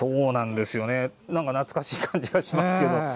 懐かしい感じがしますけども。